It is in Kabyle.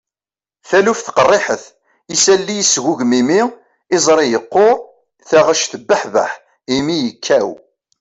taluft qerriḥet, isalli yesgugum imi, iẓri yeqquṛ, taɣect tebbuḥbeḥ, imi yekkaw